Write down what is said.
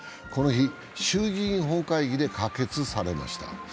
この日、衆議院本会議で可決されました。